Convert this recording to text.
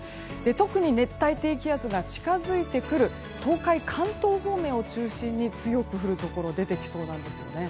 特に熱帯低気圧が近づいてくる東海・関東方面を中心に強く降るところが出てきそうなんですよね。